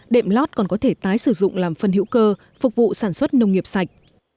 đệm lót còn có thể tái sử dụng làm phân hữu cơ phục vụ sản xuất nông nghiệp sạch